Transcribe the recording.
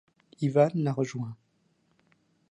Ivan la rejoint.